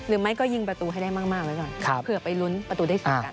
หรือไม่ก็ยิงประตูให้ได้มากไว้ก่อนเผื่อไปลุ้นประตูได้๒กัน